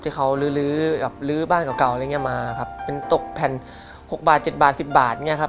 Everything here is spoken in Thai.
ที่เขาลื้อบ้านเก่าอะไรเนี่ยมาครับเป็นตกแผ่น๖บาท๗บาท๑๐บาทเนี่ยครับ